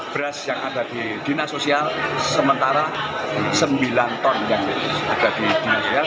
beras yang ada di dinas sosial sementara sembilan ton yang ada di sel